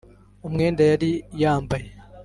umwenda yari yambaye